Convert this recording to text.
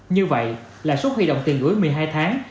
như vậy lãi suất huy động tiền gửi một mươi hai tháng